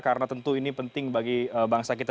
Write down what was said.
karena tentu ini penting bagi bangsa kita